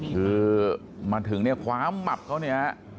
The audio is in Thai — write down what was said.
คือมาถึงเนี่ยความหมับเขาเนี่ย